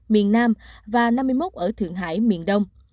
miền nam và năm mươi một ở thượng hải miền đông